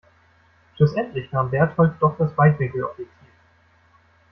Schlussendlich nahm Bertold doch das Weitwinkelobjektiv.